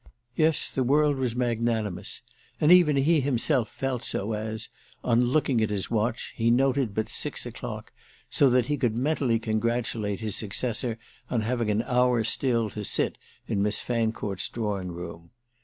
Yes, the world was magnanimous, and even he himself felt so as, on looking at his watch, he noted but six o'clock, so that he could mentally congratulate his successor on having an hour still to sit in Miss Fancourt's drawing room.